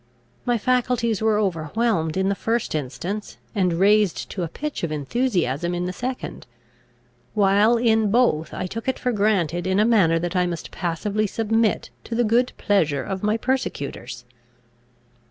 My faculties were overwhelmed in the first instance, and raised to a pitch of enthusiasm in the second; while in both I took it for granted in a manner, that I must passively submit to the good pleasure of my persecutors.